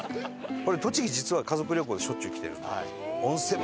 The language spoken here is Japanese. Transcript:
俺栃木実は家族旅行でしょっちゅう来てるんですよ。